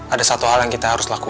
ada satu hal yang kita harus lakukan